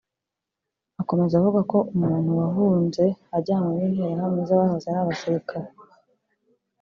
Akomeza avuga ko umuntu wahunze ajyanywe n’Interahamwe z’abahoze ari abasirikare